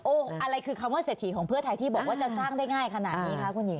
อะไรคือคำว่าเศรษฐีของเพื่อไทยที่บอกว่าจะสร้างได้ง่ายขนาดนี้คะคุณหญิง